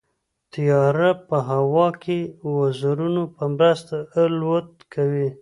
طیاره په هوا کې د وزرونو په مرسته الوت کوي.